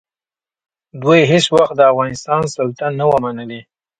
دوی هېڅ وخت د افغانستان سلطه نه وه منلې.